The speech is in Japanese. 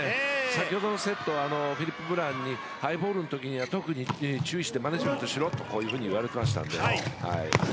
先ほどのセットはフィリップ・ブランにハイボールのときには特に注意してマネジメントしろと言われてましたので。